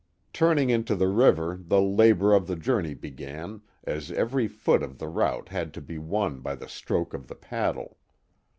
Turning into the river the labor of the journey be gan, as every foot of the route had to be won by the stroke of the paddle.